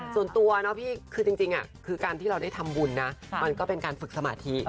ส่วนตัวเนาะพี่คือจริงคือการที่เราได้ทำบุญนะมันก็เป็นการฝึกสมาธิ